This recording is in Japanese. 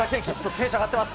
テンション上がっています。